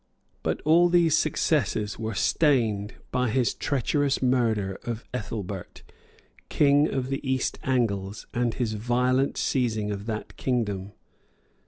But all these successes were stained by his treacherous murder of Ethelbert, king of the East Angles, and his violent seizing of that kingdom.